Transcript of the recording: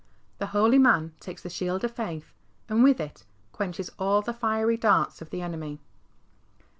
The holy man takes the shield of faith, and with it " quenches all the fiery darts of the enemy."